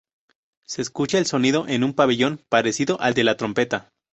Se escucha el sonido en un pabellón parecido al de la trompeta.